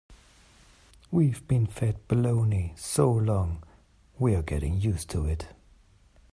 We've been fed baloney so long we're getting used to it.